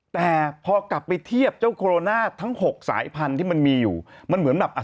แต่พอกลับไปเทียบเจ้ากุลโรนาทาง๖สายพันธุ์ที่มันมีอยู่